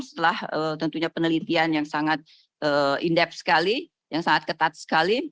setelah tentunya penelitian yang sangat indef sekali yang sangat ketat sekali